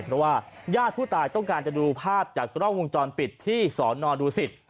เพราะว่าญาติผู้ตายต้องการจะดูภาพจากกล้องวงจรปิดที่สอนอดูสิต